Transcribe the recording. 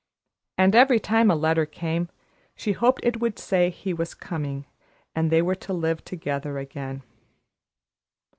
And every time a letter came, she hoped it would say he was coming, and they were to live together again.